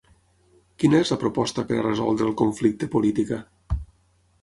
Quina és la proposta per a resoldre el conflicte política.